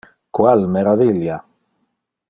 Qual meravilia!